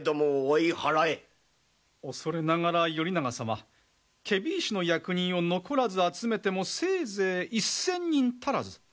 恐れながら頼長様検非違使の役人を残らず集めてもせいぜい１，０００人足らず。